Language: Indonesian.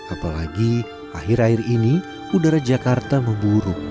apalagi akhir akhir ini udara jakarta memburuk